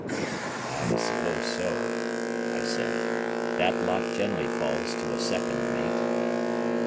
"I suppose so," I said; "that lot generally falls to a second mate."